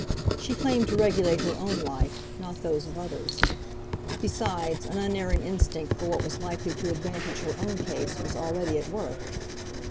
She claimed to regulate her own life, not those of others; besides, an unerring instinct for what was likely to advantage her own case was already at work.